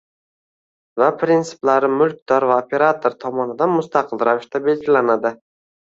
va prinsiplari mulkdor va operator tomonidan mustaqil ravishda belgilanadi.